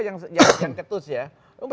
yang ketus ya